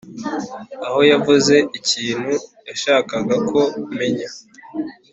Aho yavuze ikintu Yashakaga ko menya